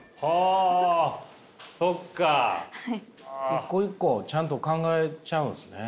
一個一個ちゃんと考えちゃうんですね。